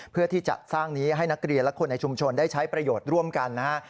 เพื่อที่จะสร้างนี้ให้นักเรียนและคนในชุมชนได้ใช้ประโยชน์ร่วมกันนะฮะ